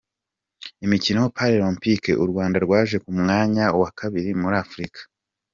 Imikino Paralempike uRwanda rwaje ku mwanya wa kabiri muri Afurika